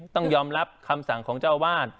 ต้องยอมรับคำสั่งของเจ้าวาด